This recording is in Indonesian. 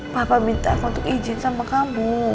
papa minta aku untuk izin sama kamu